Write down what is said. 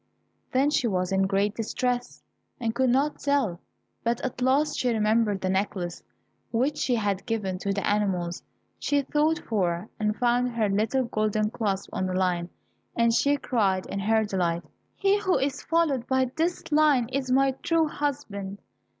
Then she was in great distress, and could not tell; but at last she remembered the necklace which she had given to the animals, and she sought for and found her little golden clasp on the lion, and she cried in her delight, "He who is followed by this lion is my true husband".